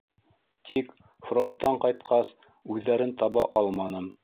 Тик, фронттан ҡайтҡас, үҙҙәрен таба алманым.